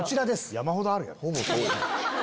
山ほどあるやろ？